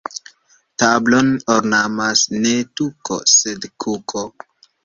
Tablon ornamas ne tuko, sed kuko.